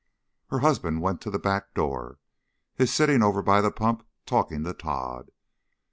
Her husband went to the back door. "He's sitting over by the pump talking to Tod.